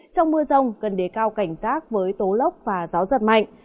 trong mưa rông cần đề cao cảnh giác với tố lốc và gió giật mạnh